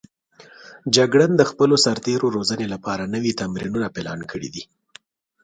جګړن د خپلو سرتېرو روزنې لپاره نوي تمرینونه پلان کړي دي.